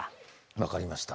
分かりました。